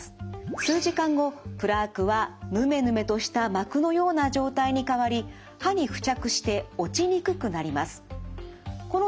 数時間後プラークはぬめぬめとした膜のような状態に変わり歯に付着して落ちにくくなります。